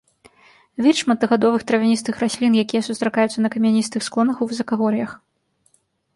Від шматгадовых травяністых раслін, якія сустракаюцца на камяністых склонах у высакагор'ях.